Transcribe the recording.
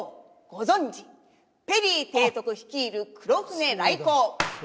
ご存じペリー提督率いる黒船来航